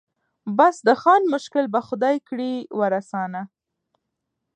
بس د خان مشکل به خدای کړي ور آسانه